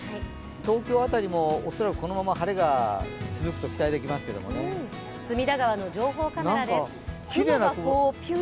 東京辺りも恐らくこのまま晴れが続くと隅田川の情報カメラです。